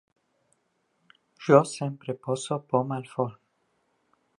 Jo sempre poso poma al forn.